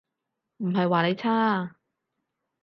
唔係話你差